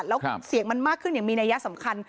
แล้วเสียงมันมากขึ้นอย่างมีนัยสำคัญ